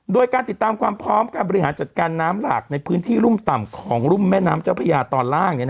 โดยการติดตามความพร้อมการบริหารจัดการน้ำหลากในพื้นที่รุ่มต่ำของรุ่มแม่น้ำเจ้าพญาตอนล่าง